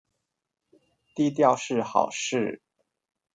低調是好事